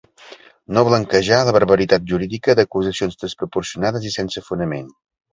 No blanquejar la barbaritat jurídica d’acusacions desproporcionades i sense fonament.